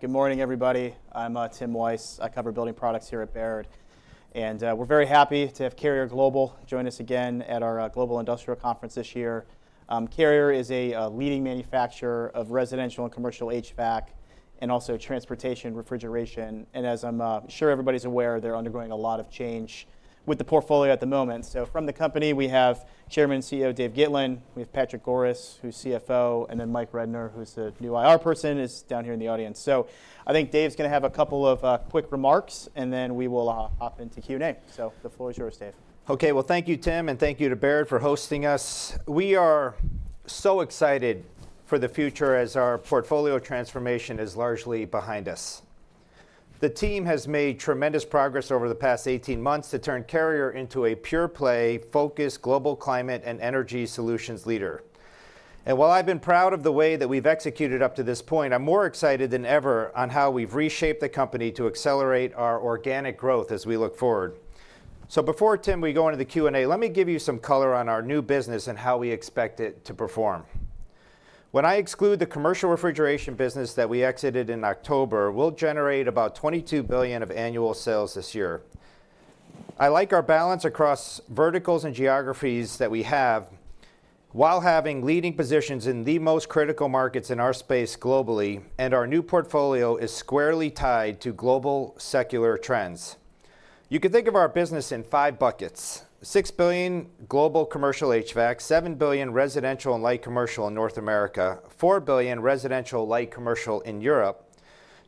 Good morning, everybody. I'm Tim Wojs. I cover building products here at Baird. And we're very happy to have Carrier Global join us again at our Global Industrial Conference this year. Carrier is a leading manufacturer of residential and commercial HVAC, and also transportation and refrigeration. And as I'm sure everybody's aware, they're undergoing a lot of change with the portfolio at the moment. So from the company, we have Chairman and CEO, Dave Gitlin. We have Patrick Goris, who's CFO, and then Mike Rednor, who's the new IR person, is down here in the audience. So I think Dave's going to have a couple of quick remarks, and then we will hop into Q&A. So the floor is yours, Dave. OK, well, thank you, Tim, and thank you to Baird for hosting us. We are so excited for the future as our portfolio transformation is largely behind us. The team has made tremendous progress over the past 18 months to turn Carrier into a pure-play-focused global climate and energy solutions leader. And while I've been proud of the way that we've executed up to this point, I'm more excited than ever on how we've reshaped the company to accelerate our organic growth as we look forward. So before, Tim, we go into the Q&A, let me give you some color on our new business and how we expect it to perform. When I exclude the commercial refrigeration business that we exited in October, we'll generate about $22 billion of annual sales this year. I like our balance across verticals and geographies that we have, while having leading positions in the most critical markets in our space globally, and our new portfolio is squarely tied to global secular trends. You can think of our business in five buckets: $6 billion global commercial HVAC, $7 billion residential and light commercial in North America, $4 billion residential light commercial in Europe,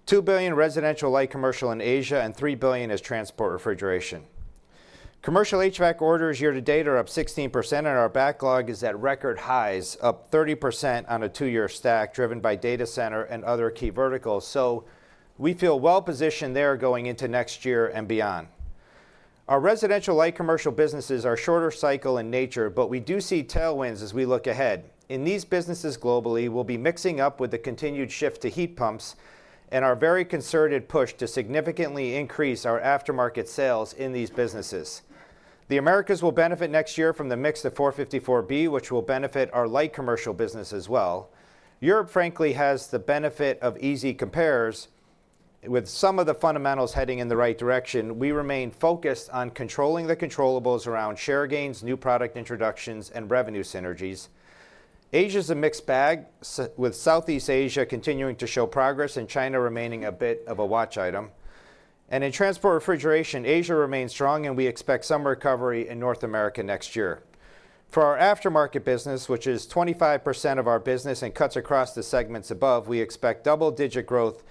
$2 billion residential light commercial in Asia, and $3 billion as transport refrigeration. Commercial HVAC orders year-to-date are up 16%, and our backlog is at record highs, up 30% on a two-year stack driven by data center and other key verticals. So we feel well-positioned there going into next year and beyond. Our residential light commercial businesses are shorter cycle in nature, but we do see tailwinds as we look ahead. In these businesses globally, we'll be mixing up with the continued shift to heat pumps and our very concerted push to significantly increase our aftermarket sales in these businesses. The Americas will benefit next year from the mix of 454B, which will benefit our light commercial business as well. Europe, frankly, has the benefit of easy compares. With some of the fundamentals heading in the right direction, we remain focused on controlling the controllables, around share gains, new product introductions, and revenue synergies. Asia is a mixed bag, with Southeast Asia continuing to show progress and China remaining a bit of a watch item, and in transport refrigeration, Asia remains strong, and we expect some recovery in North America next year. For our aftermarket business, which is 25% of our business and cuts across the segments above, we expect double-digit growth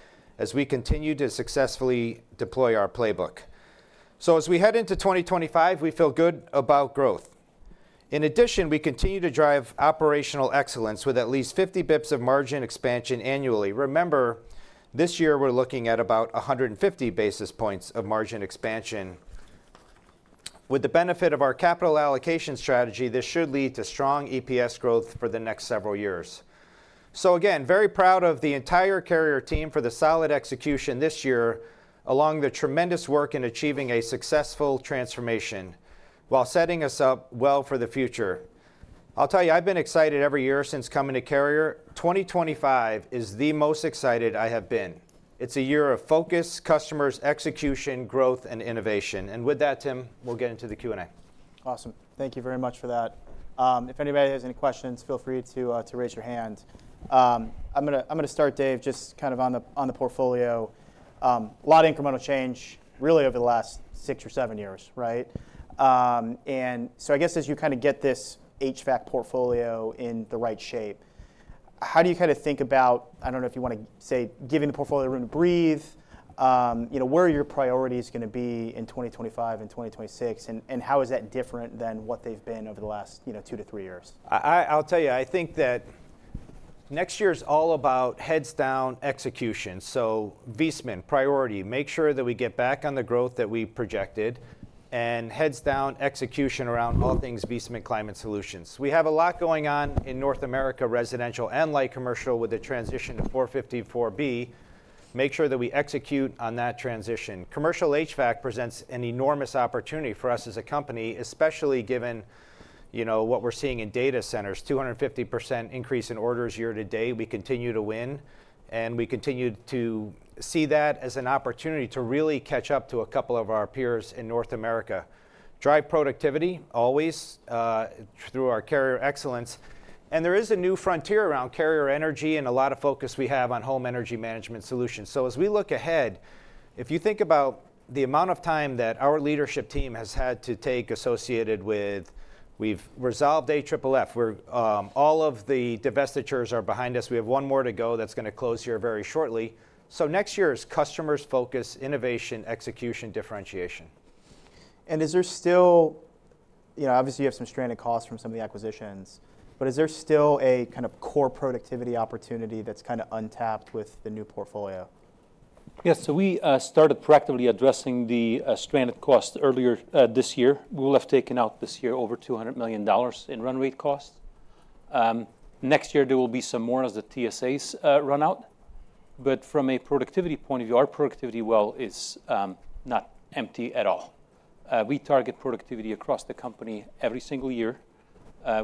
as we continue to successfully deploy our playbook. So as we head into 2025, we feel good about growth. In addition, we continue to drive operational excellence with at least 50 basis points of margin expansion annually. Remember, this year we're looking at about 150 basis points of margin expansion. With the benefit of our capital allocation strategy, this should lead to strong EPS growth for the next several years. So again, very proud of the entire Carrier team for the solid execution this year, along with the tremendous work in achieving a successful transformation, while setting us up well for the future. I'll tell you, I've been excited every year since coming to Carrier. 2025 is the most excited I have been. It's a year of focus, customers, execution, growth, and innovation. And with that, Tim, we'll get into the Q&A. Awesome. Thank you very much for that. If anybody has any questions, feel free to raise your hand. I'm going to start, Dave, just kind of on the portfolio. A lot of incremental change, really, over the last six or seven years, right? And so I guess as you kind of get this HVAC portfolio in the right shape, how do you kind of think about, I don't know if you want to say, giving the portfolio room to breathe? Where are your priorities going to be in 2025 and 2026? And how is that different than what they've been over the last two to three years? I'll tell you, I think that next year is all about heads-down execution. Viessmann, priority: make sure that we get back on the growth that we projected, and heads-down execution around all things Viessmann Climate Solutions. We have a lot going on in North America residential and light commercial with the transition to 454B. Make sure that we execute on that transition. Commercial HVAC presents an enormous opportunity for us as a company, especially given what we're seeing in data centers: 250% increase in orders year-to-date. We continue to win, and we continue to see that as an opportunity to really catch up to a couple of our peers in North America. Drive productivity, always, through our Carrier Excellence. There is a new frontier around Carrier Energy and a lot of focus we have on home energy management solutions. As we look ahead, if you think about the amount of time that our leadership team has had to take associated with, we've resolved AFFF. All of the divestitures are behind us. We have one more to go that's going to close here very shortly. Next year is customer-focused innovation execution differentiation. And is there still, obviously, you have some stranded costs from some of the acquisitions, but is there still a kind of core productivity opportunity that's kind of untapped with the new portfolio? Yes, so we started proactively addressing the stranded costs earlier this year. We will have taken out this year over $200 million in run rate cost. Next year, there will be some more as the TSAs run out. But from a productivity point of view, our productivity well is not empty at all. We target productivity across the company every single year.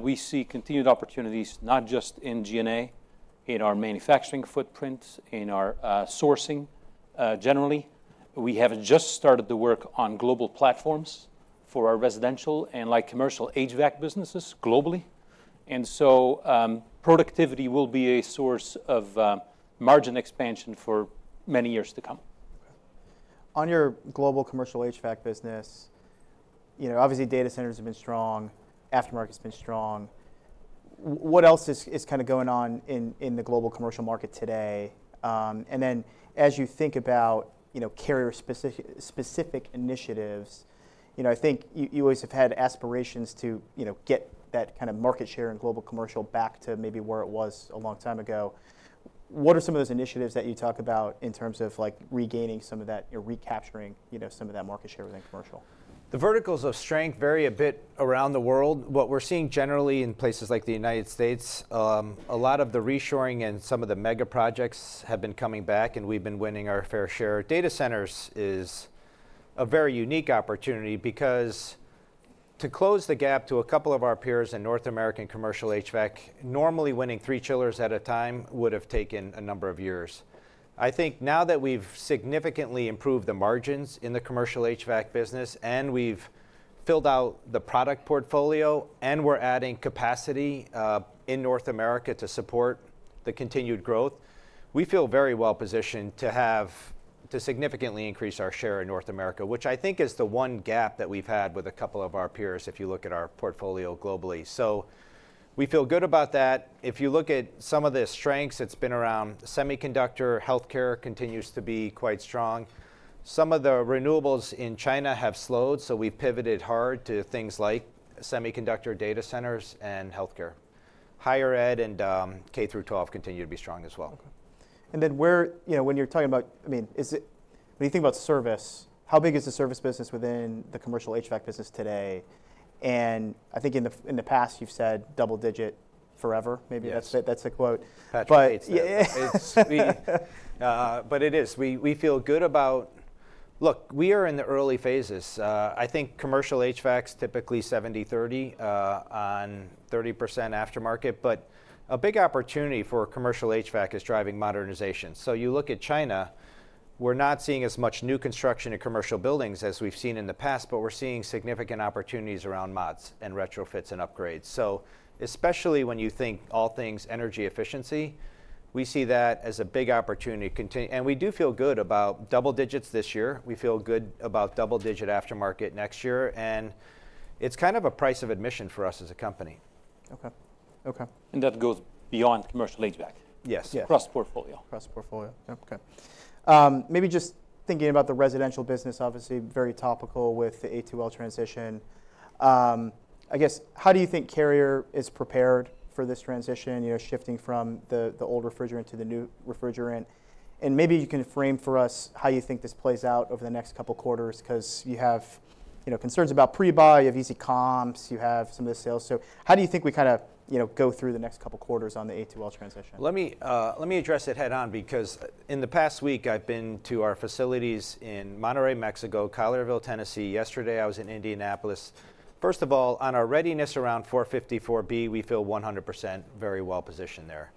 We see continued opportunities, not just in G&A, in our manufacturing footprint, in our sourcing generally. We have just started the work on global platforms for our residential and light commercial HVAC businesses globally, and so productivity will be a source of margin expansion for many years to come. On your global commercial HVAC business, obviously, data centers have been strong. Aftermarket has been strong. What else is kind of going on in the global commercial market today? And then as you think about Carrier-specific initiatives, I think you always have had aspirations to get that kind of market share in global commercial back to maybe where it was a long time ago. What are some of those initiatives that you talk about in terms of regaining some of that, recapturing some of that market share within commercial? The verticals of strength vary a bit around the world. What we're seeing generally in places like the United States, a lot of the reshoring and some of the mega projects have been coming back, and we've been winning our fair share. Data centers is a very unique opportunity because to close the gap to a couple of our peers in North American commercial HVAC, normally winning three chillers at a time would have taken a number of years. I think now that we've significantly improved the margins in the commercial HVAC business, and we've filled out the product portfolio, and we're adding capacity in North America to support the continued growth, we feel very well-positioned to significantly increase our share in North America, which I think is the one gap that we've had with a couple of our peers if you look at our portfolio globally. So we feel good about that. If you look at some of the strengths, it's been around semiconductor. Health care continues to be quite strong. Some of the renewables in China have slowed, so we've pivoted hard to things like semiconductor data centers and health care. Higher Ed and K-12 continue to be strong as well. Then when you're talking about, I mean, when you think about service, how big is the service business within the commercial HVAC business today? I think in the past you've said double-digit forever, maybe that's the quote. But it is. We feel good about, look, we are in the early phases. I think commercial HVAC is typically 70/30 on 30% aftermarket. But a big opportunity for commercial HVAC is driving modernization. So you look at China, we're not seeing as much new construction in commercial buildings as we've seen in the past, but we're seeing significant opportunities around mods and retrofits and upgrades. So especially when you think all things energy efficiency, we see that as a big opportunity. And we do feel good about double digits this year. We feel good about double-digit aftermarket next year. And it's kind of a price of admission for us as a company. OK. OK. That goes beyond commercial HVAC? Yes. Across portfolio. Across portfolio. OK. Maybe just thinking about the residential business, obviously very topical with the A2L transition. I guess, how do you think Carrier is prepared for this transition, shifting from the old refrigerant to the new refrigerant? And maybe you can frame for us how you think this plays out over the next couple of quarters, because you have concerns about pre-buy. You have easy comps. You have some of the sales. So how do you think we kind of go through the next couple of quarters on the A2L transition? Let me address it head on, because in the past week I've been to our facilities in Monterrey, Mexico, Collierville, Tennessee. Yesterday I was in Indianapolis. First of all, on our readiness around 454B, we feel 100% very well-positioned there.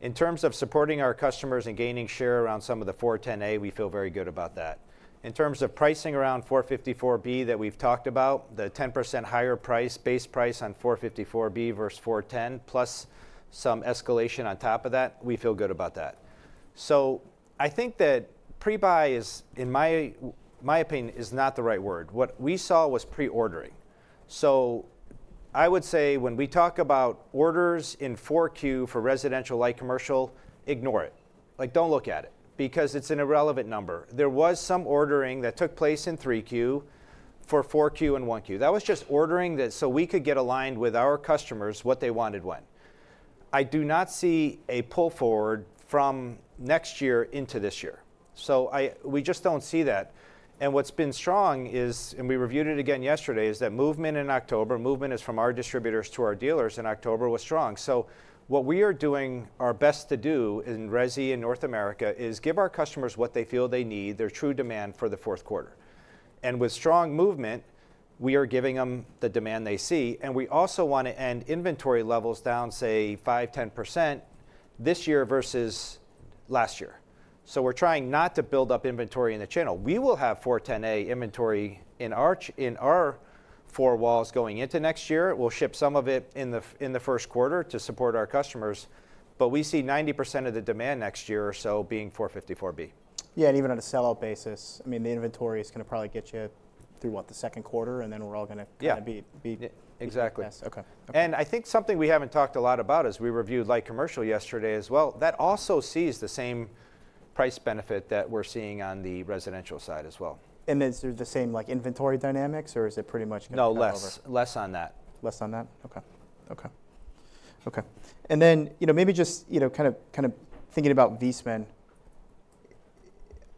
In terms of supporting our customers and gaining share around some of the 410A, we feel very good about that. In terms of pricing around 454B that we've talked about, the 10% higher price, base price on 454B versus 410, plus some escalation on top of that, we feel good about that. So I think that pre-buy, in my opinion, is not the right word. What we saw was pre-ordering. So I would say when we talk about orders in 4Q for residential light commercial, ignore it. Don't look at it, because it's an irrelevant number. There was some ordering that took place in 3Q for 4Q and 1Q. That was just ordering so we could get aligned with our customers what they wanted when. I do not see a pull forward from next year into this year, so we just don't see that, and what's been strong is, and we reviewed it again yesterday, is that movement in October, movement is from our distributors to our dealers in October, was strong, so what we are doing our best to do in Resi in North America is give our customers what they feel they need, their true demand for the fourth quarter, and with strong movement, we are giving them the demand they see, and we also want to end inventory levels down, say, 5%, 10% this year versus last year, so we're trying not to build up inventory in the channel. We will have 410A inventory in our four walls going into next year. We'll ship some of it in the first quarter to support our customers. But we see 90% of the demand next year or so being 454B. Yeah, and even on a sell-out basis, I mean, the inventory is going to probably get you through, what, the second quarter, and then we're all going to be at this. Exactly. And I think something we haven't talked a lot about is we reviewed light commercial yesterday as well. That also sees the same price benefit that we're seeing on the residential side as well. And then through the same inventory dynamics, or is it pretty much going to be? No, less. Less on that. Less on that? OK. And then maybe just kind of thinking about Viessmann,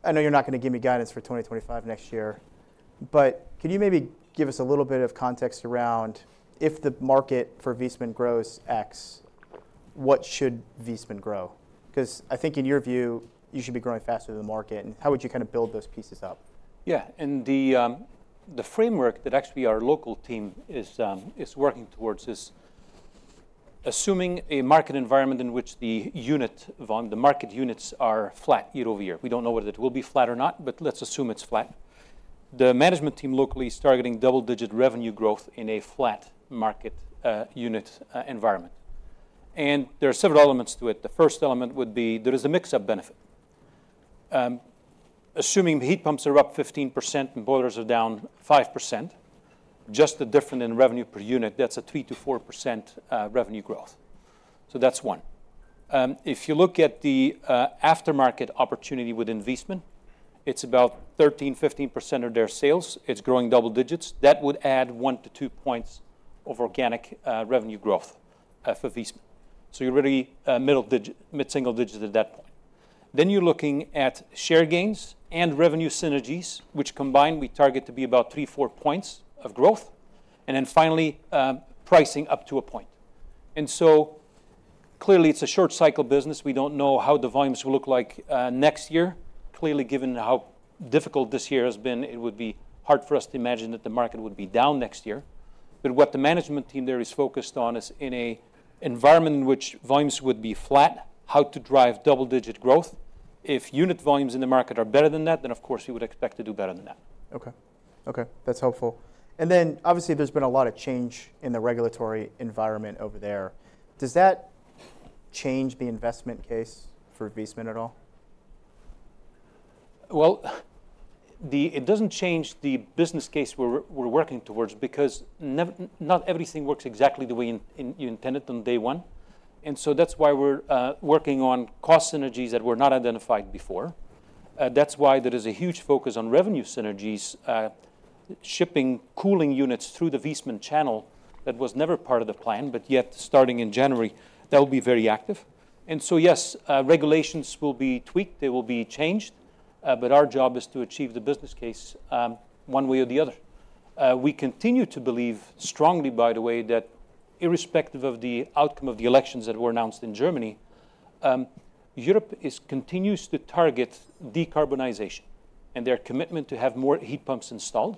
I know you're not going to give me guidance for 2025 next year, but can you maybe give us a little bit of context around if the market for Viessmann grows X, what should Viessmann grow? Because I think in your view, you should be growing faster than the market. And how would you kind of build those pieces up? Yeah, and the framework that actually our local team is working towards is assuming a market environment in which the unit volume, the market units, are flat year over year. We don't know whether it will be flat or not, but let's assume it's flat. The management team locally is targeting double-digit revenue growth in a flat market unit environment. And there are several elements to it. The first element would be there is a mix-up benefit. Assuming the heat pumps are up 15% and boilers are down 5%, just the difference in revenue per unit, that's a 3%-4% revenue growth. So that's one. If you look at the aftermarket opportunity within Viessmann, it's about 13%-15% of their sales. It's growing double digits. That would add one to two points of organic revenue growth for Viessmann. So you're really middle digit, mid-single digit at that point. Then you're looking at share gains and revenue synergies, which combined we target to be about three, four points of growth. And then finally, pricing up to a point. And so clearly, it's a short-cycle business. We don't know how the volumes will look like next year. Clearly, given how difficult this year has been, it would be hard for us to imagine that the market would be down next year. But what the management team there is focused on is in an environment in which volumes would be flat, how to drive double-digit growth. If unit volumes in the market are better than that, then of course we would expect to do better than that. OK. OK. That's helpful. And then obviously there's been a lot of change in the regulatory environment over there. Does that change the investment case for Viessmann at all? It doesn't change the business case we're working towards, because not everything works exactly the way you intended on day one. That's why we're working on cost synergies that were not identified before. That's why there is a huge focus on revenue synergies, shipping cooling units through the Viessmann channel that was never part of the plan, but yet starting in January, that will be very active. Yes, regulations will be tweaked. They will be changed. Our job is to achieve the business case one way or the other. We continue to believe strongly, by the way, that irrespective of the outcome of the elections that were announced in Germany, Europe continues to target decarbonization and their commitment to have more heat pumps installed.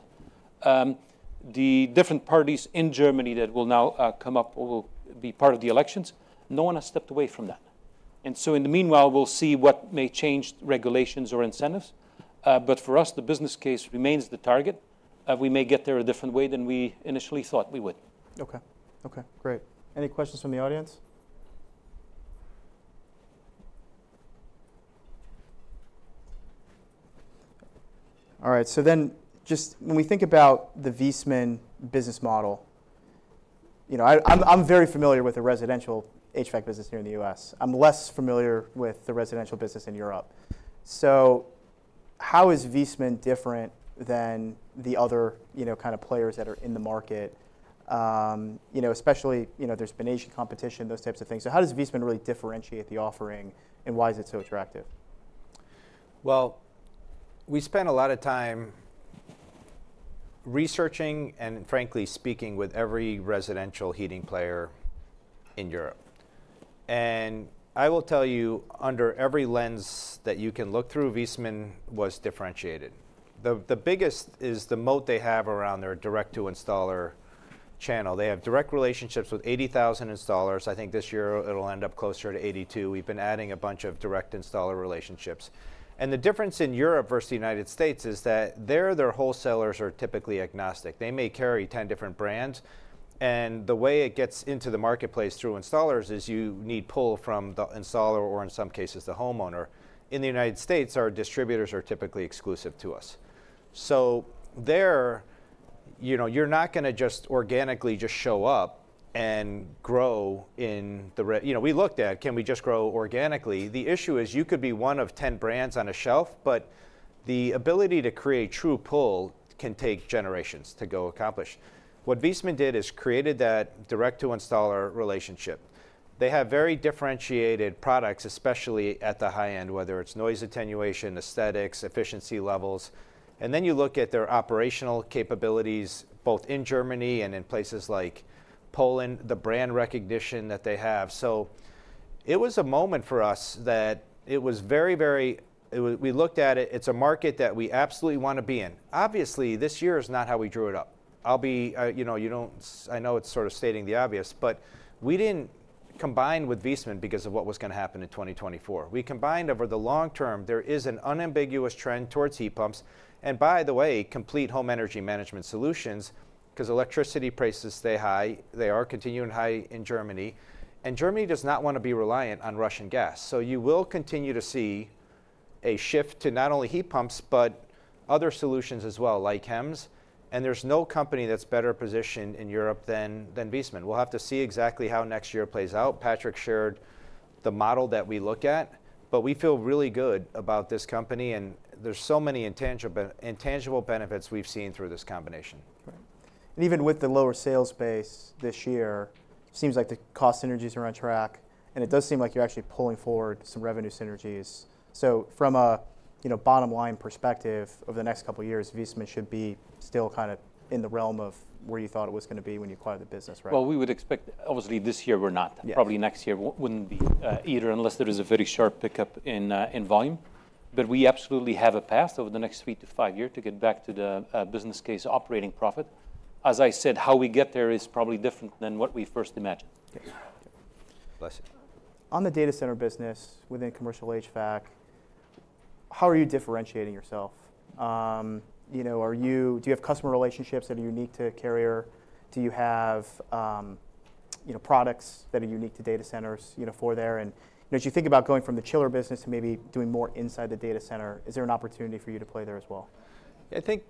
The different parties in Germany that will now come up will be part of the elections. No one has stepped away from that, and so in the meanwhile, we'll see what may change regulations or incentives, but for us, the business case remains the target. We may get there a different way than we initially thought we would. OK. OK. Great. Any questions from the audience? All right. So then just when we think about the Viessmann business model, I'm very familiar with the residential HVAC business here in the U.S. I'm less familiar with the residential business in Europe. So how is Viessmann different than the other kind of players that are in the market? Especially there's been Asian competition, those types of things. So how does Viessmann really differentiate the offering, and why is it so attractive? Well, we spend a lot of time researching and frankly speaking with every residential heating player in Europe. And I will tell you, under every lens that you can look through, Viessmann was differentiated. The biggest is the moat they have around their direct-to-installer channel. They have direct relationships with 80,000 installers. I think this year it'll end up closer to 82. We've been adding a bunch of direct-to-installer relationships. And the difference in Europe versus the United States is that there, their wholesalers are typically agnostic. They may carry 10 different brands. And the way it gets into the marketplace through installers is you need pull from the installer or in some cases the homeowner. In the United States, our distributors are typically exclusive to us. So there, you're not going to just organically just show up and grow in the we looked at, can we just grow organically? The issue is you could be one of 10 brands on a shelf, but the ability to create true pull can take generations to go accomplish. What Viessmann did is created that direct-to-installer relationship. They have very differentiated products, especially at the high end, whether it's noise attenuation, aesthetics, efficiency levels. Then you look at their operational capabilities, both in Germany and in places like Poland, the brand recognition that they have. So it was a moment for us that it was very, very we looked at it. It's a market that we absolutely want to be in. Obviously, this year is not how we drew it up. I'll be I know it's sort of stating the obvious, but we didn't combine with Viessmann because of what was going to happen in 2024. We combined over the long term. There is an unambiguous trend towards heat pumps. And by the way, complete home energy management solutions, because electricity prices stay high. They are continuing high in Germany. And Germany does not want to be reliant on Russian gas. So you will continue to see a shift to not only heat pumps, but other solutions as well, like HEMS. And there's no company that's better positioned in Europe than Viessmann. We'll have to see exactly how next year plays out. Patrick shared the model that we look at. But we feel really good about this company. And there's so many intangible benefits we've seen through this combination. Right. And even with the lower sales base this year, it seems like the cost synergies are on track. And it does seem like you're actually pulling forward some revenue synergies. So from a bottom-line perspective over the next couple of years, Viessmann should be still kind of in the realm of where you thought it was going to be when you acquired the business, right? We would expect obviously this year we're not. Probably next year wouldn't be either, unless there is a very sharp pickup in volume, but we absolutely have a path over the next three to five years to get back to the business case operating profit. As I said, how we get there is probably different than what we first imagined. On the data center business within commercial HVAC, how are you differentiating yourself? Do you have customer relationships that are unique to Carrier? Do you have products that are unique to data centers for there? And as you think about going from the chiller business to maybe doing more inside the data center, is there an opportunity for you to play there as well? I think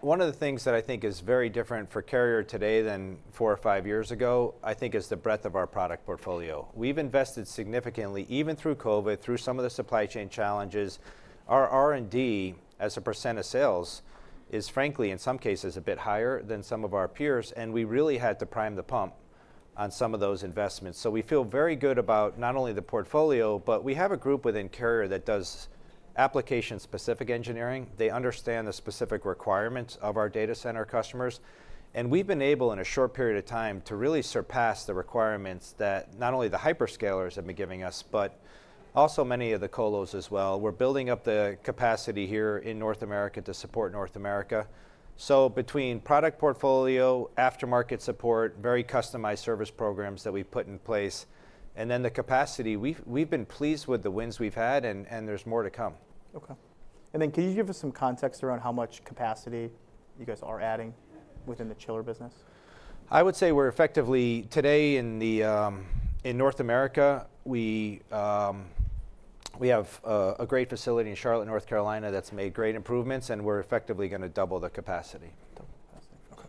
one of the things that I think is very different for Carrier today than four or five years ago, I think, is the breadth of our product portfolio. We've invested significantly, even through COVID, through some of the supply chain challenges. Our R&D, as a percent of sales, is frankly, in some cases, a bit higher than some of our peers. And we really had to prime the pump on some of those investments. So we feel very good about not only the portfolio, but we have a group within Carrier that does application-specific engineering. They understand the specific requirements of our data center customers. And we've been able, in a short period of time, to really surpass the requirements that not only the hyperscalers have been giving us, but also many of the colos as well. We're building up the capacity here in North America to support North America. So between product portfolio, aftermarket support, very customized service programs that we've put in place, and then the capacity, we've been pleased with the wins we've had. And there's more to come. OK. And then can you give us some context around how much capacity you guys are adding within the chiller business? I would say we're effectively today in North America, we have a great facility in Charlotte, North Carolina, that's made great improvements, and we're effectively going to double the capacity. Double the capacity.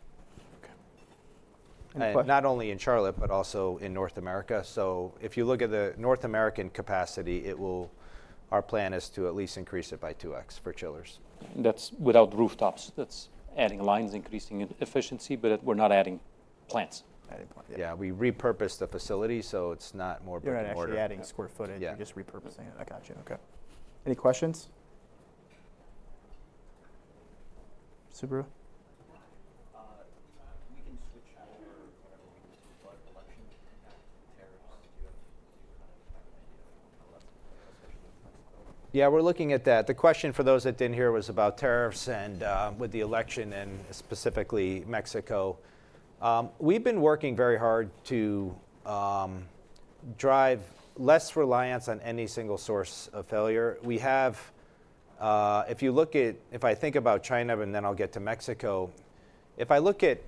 OK. Not only in Charlotte, but also in North America so if you look at the North American capacity, our plan is to at least increase it by 2X for chillers. That's without rooftops. That's adding lines, increasing efficiency, but we're not adding plants. Yeah, we repurpose the facility so it's not more bigger and more different. You're actually adding square footage and just repurposing it. I got you. OK. Any questions? Subir? We can switch our focus to what election impact tariffs do have to do to kind of have an idea of how that's going to affect the country. Yeah, we're looking at that. The question for those that didn't hear was about tariffs and with the election and specifically Mexico. We've been working very hard to drive less reliance on any single source of failure. If you look at, I think about China and then I'll get to Mexico. If I look at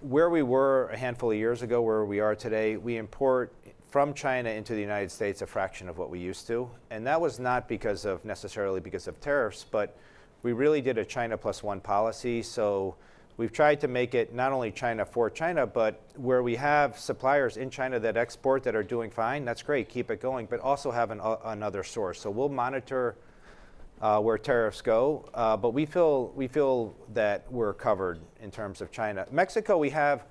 where we were a handful of years ago, where we are today, we import from China into the United States a fraction of what we used to. And that was not necessarily because of tariffs, but we really did a China plus one policy. So we've tried to make it not only China for China, but where we have suppliers in China that export that are doing fine, that's great. Keep it going, but also have another source. So we'll monitor where tariffs go. But we feel that we're covered in terms of China. Mexico, we have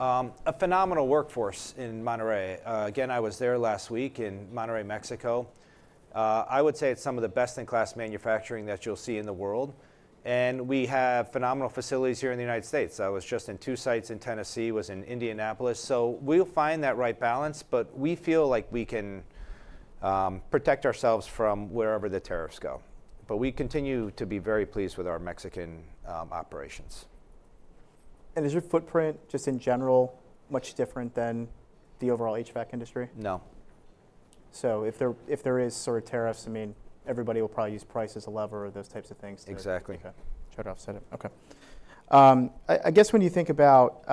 a phenomenal workforce in Monterrey. Again, I was there last week in Monterrey, Mexico. I would say it's some of the best-in-class manufacturing that you'll see in the world, and we have phenomenal facilities here in the United States. I was just in two sites in Tennessee. I was in Indianapolis, so we'll find that right balance, but we feel like we can protect ourselves from wherever the tariffs go, but we continue to be very pleased with our Mexican operations. Is your footprint just in general much different than the overall HVAC industry? No. If there is sort of tariffs, I mean, everybody will probably use price as a lever or those types of things. Exactly. OK. I guess when you think about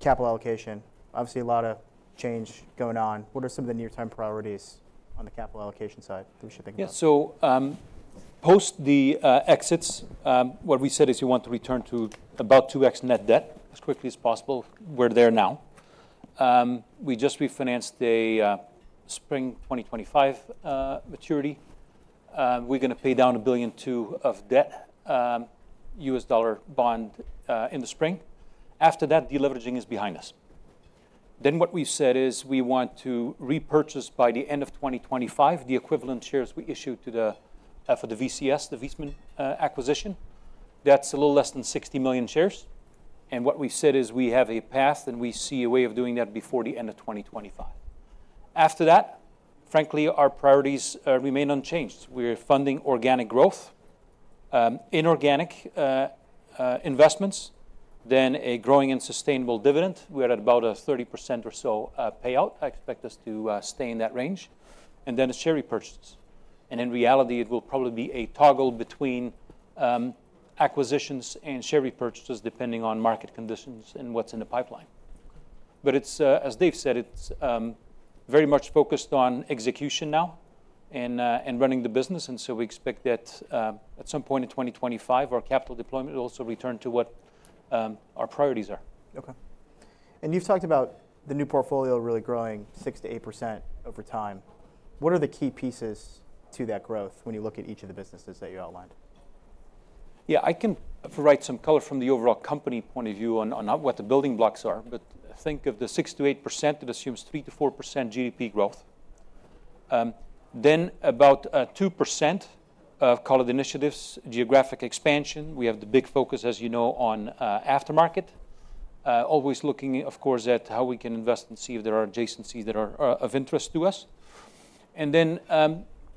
capital allocation, obviously a lot of change going on. What are some of the near-term priorities on the capital allocation side that we should think about? Yeah. So post the exits, what we said is we want to return to about 2x net debt as quickly as possible. We're there now. We just refinanced a spring 2025 maturity. We're going to pay down $1.2 billion of debt, USD bond in the spring. After that, deleveraging is behind us. Then what we said is we want to repurchase by the end of 2025 the equivalent shares we issued for the VCS, the Viessmann acquisition. That's a little less than 60 million shares. And what we said is we have a path and we see a way of doing that before the end of 2025. After that, frankly, our priorities remain unchanged. We're funding organic growth, inorganic investments, then a growing and sustainable dividend. We're at about a 30% or so payout. I expect us to stay in that range. And then it's share repurchases. In reality, it will probably be a toggle between acquisitions and share repurchases depending on market conditions and what's in the pipeline. As Dave said, it's very much focused on execution now and running the business. We expect that at some point in 2025, our capital deployment will also return to what our priorities are. OK. And you've talked about the new portfolio really growing 6%-8% over time. What are the key pieces to that growth when you look at each of the businesses that you outlined? Yeah, I can provide some color from the overall company point of view on what the building blocks are. But think of the 6%-8%. It assumes 3%-4% GDP growth. Then about 2% of call it initiatives, geographic expansion. We have the big focus, as you know, on aftermarket, always looking, of course, at how we can invest and see if there are adjacencies that are of interest to us. And then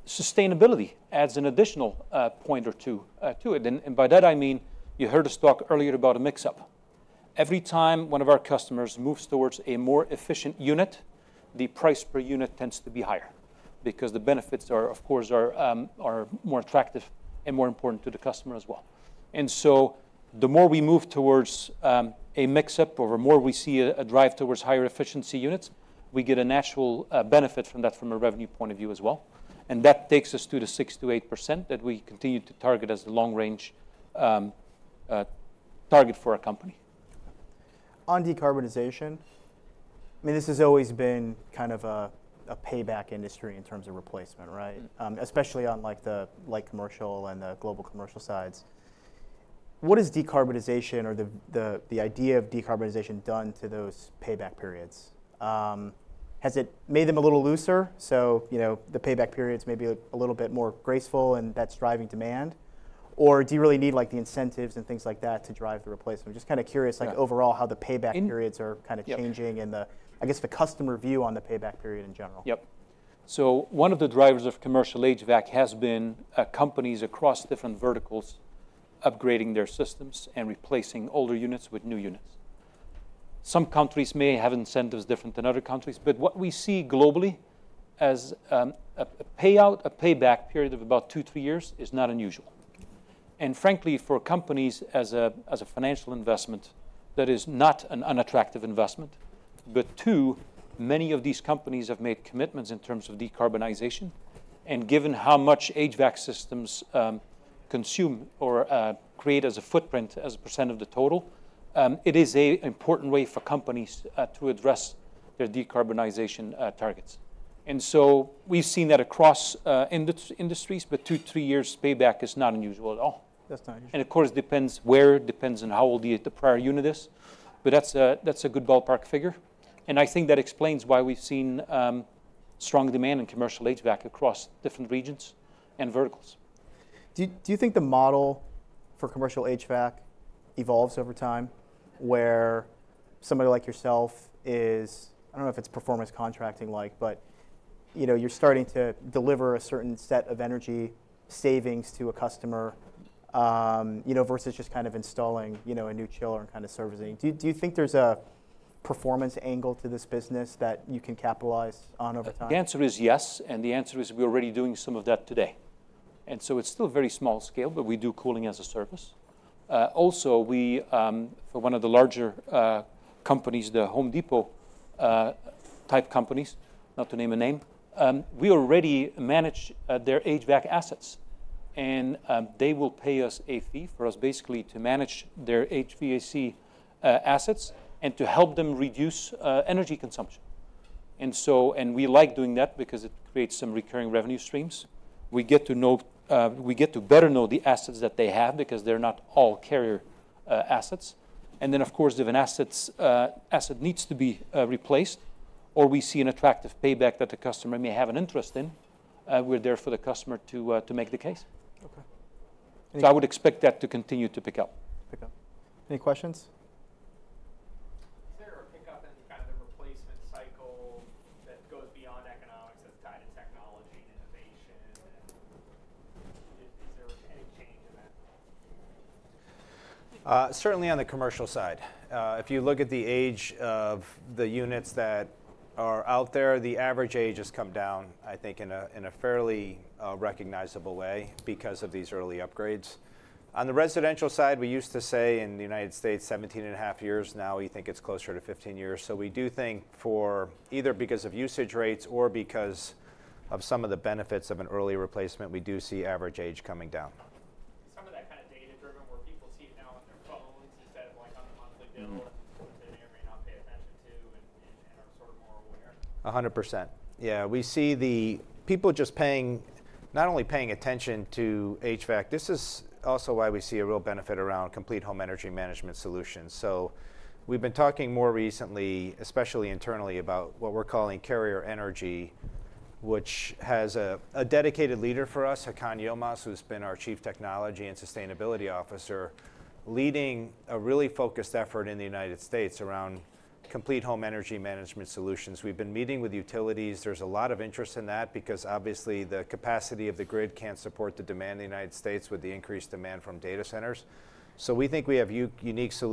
sustainability adds an additional point or two to it. And by that, I mean you heard us talk earlier about a mix shift. Every time one of our customers moves towards a more efficient unit, the price per unit tends to be higher because the benefits are, of course, more attractive and more important to the customer as well. And so the more we move towards a mix-up or the more we see a drive towards higher efficiency units, we get an actual benefit from that from a revenue point of view as well. And that takes us to the 6%-8% that we continue to target as the long-range target for our company. On decarbonization, I mean, this has always been kind of a payback industry in terms of replacement, right? Especially on the commercial and the global commercial sides. What has decarbonization or the idea of decarbonization done to those payback periods? Has it made them a little looser so the payback periods may be a little bit more graceful and that's driving demand? Or do you really need the incentives and things like that to drive the replacement? I'm just kind of curious overall how the payback periods are kind of changing and I guess the customer view on the payback period in general. Yep. So one of the drivers of commercial HVAC has been companies across different verticals upgrading their systems and replacing older units with new units. Some countries may have incentives different than other countries. But what we see globally as a payback, a payback period of about two to three years is not unusual. And frankly, for companies as a financial investment, that is not an unattractive investment. But too, many of these companies have made commitments in terms of decarbonization. And given how much HVAC systems consume or create as a footprint, as a percent of the total, it is an important way for companies to address their decarbonization targets. And so we've seen that across industries. But two to three years payback is not unusual at all. That's not unusual. And of course, it depends where, it depends on how old the prior unit is. But that's a good ballpark figure. And I think that explains why we've seen strong demand in commercial HVAC across different regions and verticals. Do you think the model for commercial HVAC evolves over time, where somebody like yourself is, I don't know, if it's performance contracting-like, but you're starting to deliver a certain set of energy savings to a customer versus just kind of installing a new chiller and kind of servicing? Do you think there's a performance angle to this business that you can capitalize on over time? The answer is yes, and the answer is we're already doing some of that today. So it's still very small scale, but we do cooling as a service. Also, for one of the larger companies, the Home Depot type companies, not to name a name, we already manage their HVAC assets. They will pay us a fee for us basically to manage their HVAC assets and to help them reduce energy consumption. We like doing that because it creates some recurring revenue streams. We get to better know the assets that they have because they're not all Carrier assets. Then, of course, if an asset needs to be replaced or we see an attractive payback that the customer may have an interest in, we're there for the customer to make the case. OK. So I would expect that to continue to pick up. Pick up. Any questions? Is there a pickup in kind of the replacement cycle that goes beyond economics that's tied to technology and innovation? Is there any change in that? Certainly on the commercial side. If you look at the age of the units that are out there, the average age has come down, I think, in a fairly recognizable way because of these early upgrades. On the residential side, we used to say in the United States, 17 and a half years. Now we think it's closer to 15 years. So we do think for either because of usage rates or because of some of the benefits of an early replacement, we do see average age coming down. Some of that kind of data-driven where people see it now on their phones instead of on the monthly bill, which they may or may not pay attention to and are sort of more aware? 100%. Yeah, we see the people just not only paying attention to HVAC. This is also why we see a real benefit around complete home energy management solutions. So we've been talking more recently, especially internally, about what we're calling Carrier Energy, which has a dedicated leader for us, Hakan Yilmaz, who's been our Chief Technology and Sustainability Officer, leading a really focused effort in the United States around complete home energy management solutions. We've been meeting with utilities. There's a lot of interest in that because obviously the capacity of the grid can't support the demand in the United States with the increased demand from data centers. So we think we have unique solutions.